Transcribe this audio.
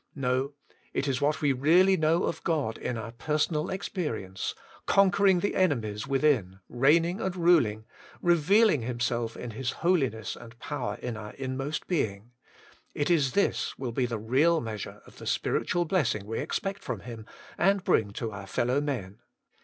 No; it is what we really know of God in our personal experience, conquering the enemies within, reigning and ruling, revealing Himself in His Holiness and Power in our inmost being, — it is this will be the real measure of the spiritual blessing we expect from Him, and bring to our fellowmen.